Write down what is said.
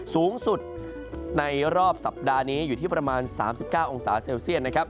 สูงสุดในรอบสัปดาห์นี้อยู่ที่ประมาณ๓๙องศาเซลเซียตนะครับ